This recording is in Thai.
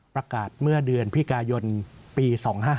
ประกาศเมื่อเดือนพิกายนปี๒๕๕๙